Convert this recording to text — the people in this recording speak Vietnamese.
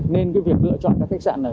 nên việc lựa chọn các khách sạn này